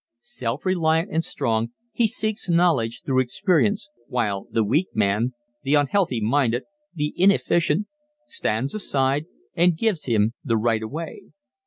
Self reliant and strong he seeks knowledge through experience, while the weak man, the unhealthy minded, the inefficient, stands aside and gives him the right of way.